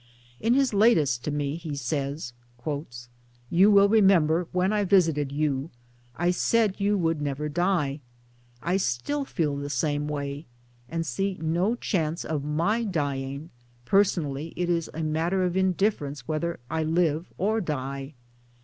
In his latest to me he says :" You will remember when I visited you I said you would never die. I still feel same way and see no chance of my dying, personally it is a matter of indifference whether I live or die.